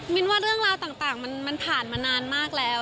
ว่าเรื่องราวต่างมันผ่านมานานมากแล้ว